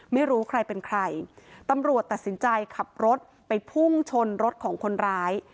ไม่รู้ใครเป็นใครตำรวจตัดสินใจขับรถไปพุ่งชนรถของคนร้าย